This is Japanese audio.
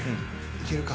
いけるか？